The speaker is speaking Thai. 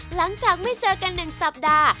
หลังจากไม่เจอกัน๑สัปดาห์